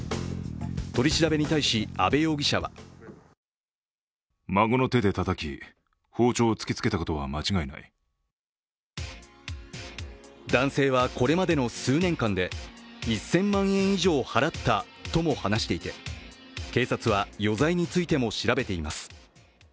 取り調べに対し阿部容疑者は男性はこれまでの数年間で１０００万円以上払ったとも話していて警察は余罪についても調べています。